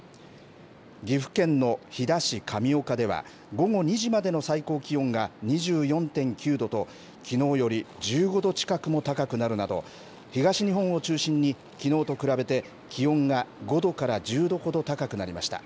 岐阜県の飛騨市上岡では午後２時までの最高気温が２４．９度と、きのうより１５度近くも高くなるなど、東日本を中心にきのうと比べて、気温が５度から１０度ほど高くなりました。